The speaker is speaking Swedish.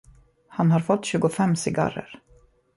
Han har fått tjugofem cigarrer.